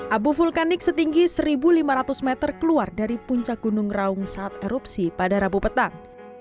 abu vulkanik setinggi satu lima ratus meter keluar dari puncak gunung raung saat erupsi pada rabu petang